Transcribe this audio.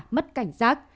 mất cảnh giác